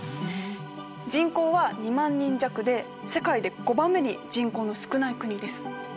人口は２万人弱で世界で５番目に人口の少ない国です。